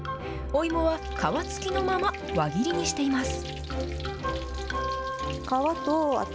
お芋は皮付きのまま輪切りにしています。